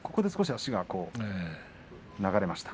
足が少し流れました。